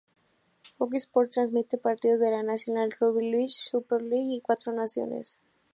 Fox Sports transmite partidos de la National Rugby League, Super League y Cuatro Naciones.